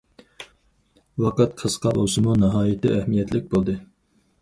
ۋاقىت قىسقا بولسىمۇ، ناھايىتى ئەھمىيەتلىك بولدى.